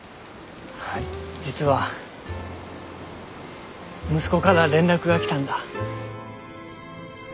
実は息子から連絡が来たんだ。